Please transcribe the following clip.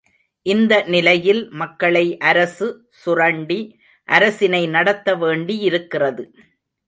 இந்த நிலையில் மக்களை அரசு சுரண்டி அரசினை நடத்த வேண்டியிருக்கிறது.